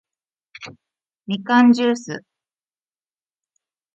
みかんじゅーす